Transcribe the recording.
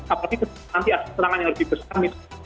apalagi nanti aset serangan yang lebih besar misalnya